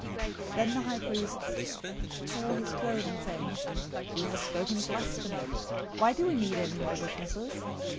026:065 Then the high priest tore his clothing, saying, "He has spoken blasphemy! Why do we need any more witnesses?